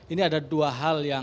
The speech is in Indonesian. ini ada dua hal yang